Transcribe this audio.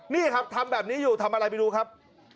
นี่ครับทำแบบนี้อยู่ทำอะไรไปดูครับ